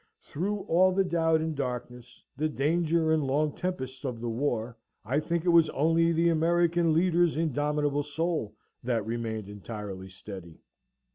Through all the doubt and darkness, the danger and long tempest of the war, I think it was only the American leader's indomitable soul that remained entirely steady.